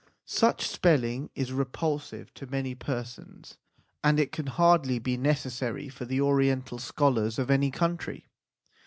Such spelling is repulsive to many persons, and it can hardly be necessary for the Oriental scholars of any country.